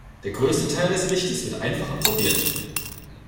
Der größte Teil des Lichtes wird einfach absorbiert.